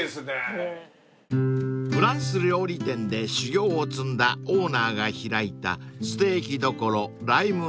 ［フランス料理店で修業を積んだオーナーが開いたステーキ処］